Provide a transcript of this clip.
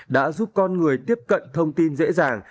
đã giúp con người tiếp cận thông tin dễ dàng